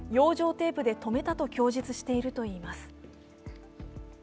テープで留めたと供述しているといいます。